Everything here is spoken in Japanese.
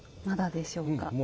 まだでしょうか？